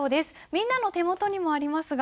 みんなの手元にもありますが。